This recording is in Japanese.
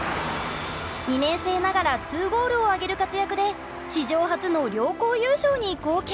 ２年生ながら２ゴールを挙げる活躍で史上初の両校優勝に貢献。